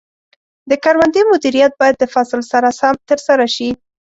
د کروندې مدیریت باید د فصل سره سم ترسره شي.